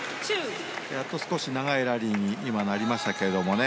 やっと少し、長いラリーに今なりましたけどもね。